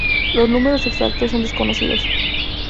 Los números exactos son desconocidos.